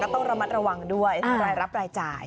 อ๋อก็ต้องระมัดระวังด้วยถ้ารายรับรายจ่าย